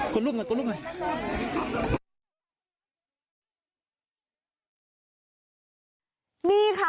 จริงครับ